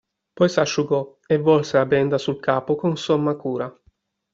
Poi s'asciugò e avvolse la benda sul capo con somma cura.